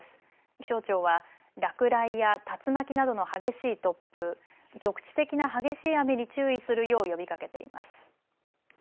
気象庁は落雷や竜巻などの激しい突風、局地的な激しい雨に注意するよう呼びかけています。